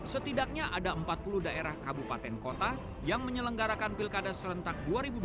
setidaknya ada empat puluh daerah kabupaten kota yang menyelenggarakan pilkada serentak dua ribu dua puluh